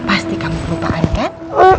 pasti kamu kelupaan kan